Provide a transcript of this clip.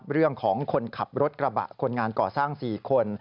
เรื่องของคนขับรถกระบะคนงานก่อสร้าง๔คน